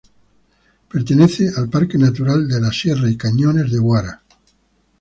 Pertenece al Parque Natural de la Sierra y Cañones de Guara.